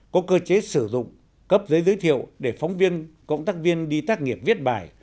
có cơ chế sử dụng cấp giấy giới thiệu để phóng viên cộng tác viên đi tác nghiệp viết bài